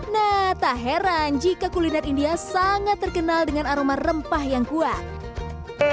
nah tak heran jika kuliner india sangat terkenal dengan aroma rempah yang kuat